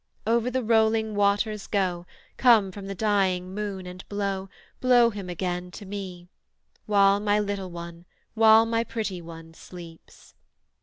Over the rolling waters go, Come from the dying moon, and blow, Blow him again to me; While my little one, while my pretty one, sleeps.